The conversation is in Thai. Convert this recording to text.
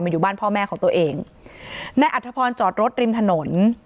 อยู่บ้านพ่อแม่ของตัวเองนายอัธพรจอดรถริมถนน